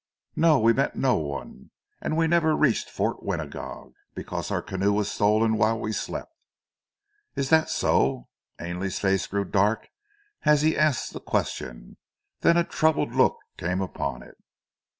"No, we met no one, and we never reached Fort Winagog, because our canoe was stolen whilst we slept." "Is that so?" Ainley's face grew dark as he asked the question; then a troubled look came upon it.